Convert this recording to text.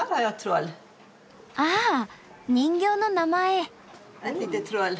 あ人形の名前。